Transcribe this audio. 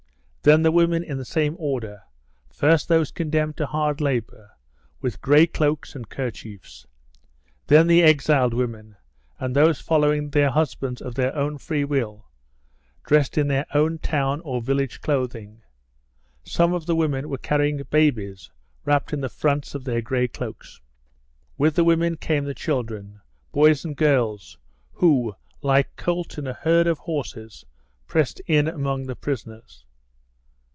Then the women in the same order, first those condemned to hard labour, with grey cloaks and kerchiefs; then the exiled women, and those following their husbands of their own free will, dressed in their own town or village clothing. Some of the women were carrying babies wrapped in the fronts of their grey cloaks. With the women came the children, boys and girls, who, like colts in a herd of horses, pressed in among the prisoners.